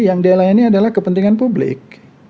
yang dia layani adalah kepentingan publik